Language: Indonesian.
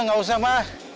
nggak usah ma